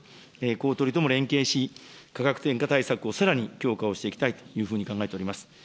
公取とも連携し、価格転嫁対策をさらに強化をしていきたいというふうに考えております。